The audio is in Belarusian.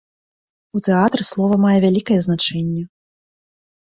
У тэатры слова мае вялікае значэнне.